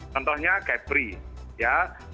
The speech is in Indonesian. contohnya kepri ya